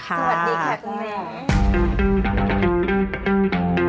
สวัสดีค่ะคุณแม่